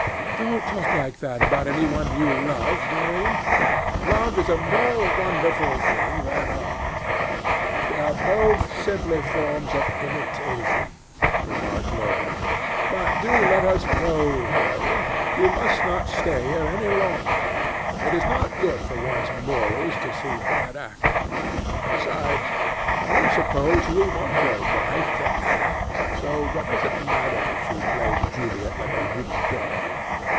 "Don't talk like that about any one you love, Dorian. Love is a more wonderful thing than art." "They are both simply forms of imitation," remarked Lord Henry. "But do let us go. Dorian, you must not stay here any longer. It is not good for one's morals to see bad acting. Besides, I don't suppose you will want your wife to act, so what does it matter if she plays Juliet like a wooden doll?